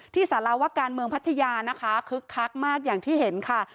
สารวะการเมืองพัทยานะคะคึกคักมากอย่างที่เห็นค่ะ